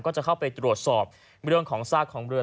จะเข้าไปตรวจสอบเรื่องของซากของเรือ